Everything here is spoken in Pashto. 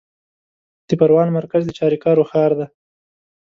د پروان مرکز د چاریکارو ښار دی